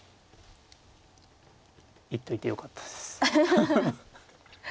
言っといてよかったです。